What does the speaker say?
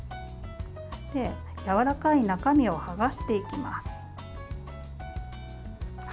やわらかい中身を剥がしていきます。